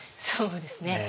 そうですね